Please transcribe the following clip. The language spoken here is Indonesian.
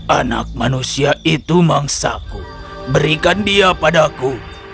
anak manusia itu mangsaku berikan dia padaku